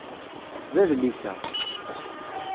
D adlis-a.